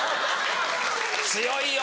強いよ。